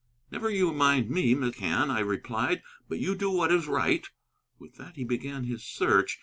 "Never you mind me, McCann," I replied, "but you do what is right." With that he began his search.